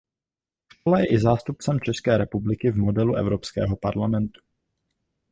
Škola je i zástupcem České republiky v Modelu evropského parlamentu.